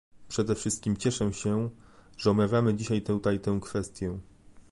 Przede wszystkim cieszę się, że omawiamy dzisiaj tutaj tę kwestię